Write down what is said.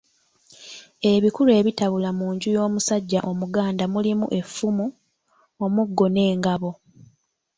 Ebikulu ebitabula mu nju y’omusajja Omuganda mulimu Effumu, omuggo n’engabo.